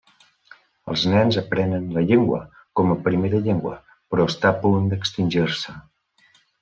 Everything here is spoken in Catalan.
Els nens aprenen la llengua com a primera llengua, però està a punt d'extingir-se.